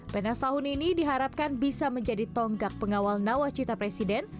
penas tahun ini diharapkan bisa menjadi tonggak pengawal nawacita presiden